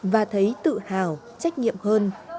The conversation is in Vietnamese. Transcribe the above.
và thấy tự hào trách nhiệm hơn